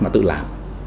mà tự làm